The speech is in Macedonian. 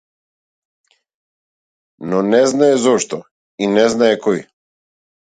Но не знае зошто, и не знае кој.